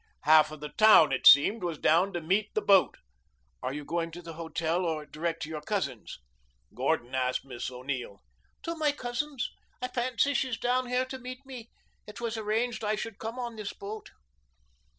Half of the town, it seemed, was down to meet the boat. "Are you going to the hotel or direct to your cousin's?" Gordon asked Miss O'Neill. "To my cousin's. I fancy she's down here to meet me. It was arranged that I come on this boat."